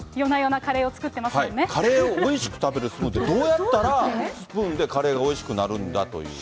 カレーをおいしく食べるスプーンって、どうやったらカレーがおいしくなるんだという。